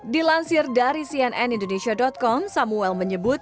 dilansir dari cnn indonesia com samuel menyebut